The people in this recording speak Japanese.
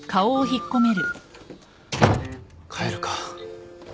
帰るか。